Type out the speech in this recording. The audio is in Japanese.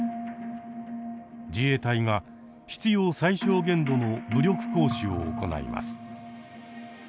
自衛隊が必要最小限度の武力行使を行います。